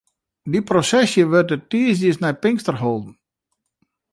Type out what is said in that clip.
Dy prosesje wurdt de tiisdeis nei de Pinkster holden.